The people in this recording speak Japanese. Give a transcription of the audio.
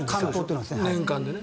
年間でね。